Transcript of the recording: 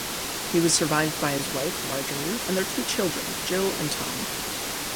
He was survived by his wife, Marjorie, and their two children, Jill and Tom.